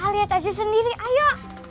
lihat aja sendiri ayo